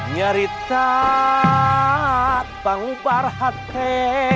nyerita bang barhat te